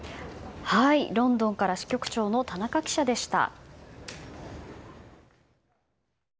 ロンドンから支局長の田中記者でした。